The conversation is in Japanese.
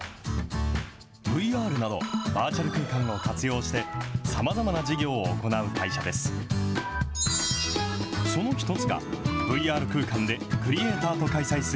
ＶＲなどバーチャル空間を活用して、さまざまな事業を行う会社です。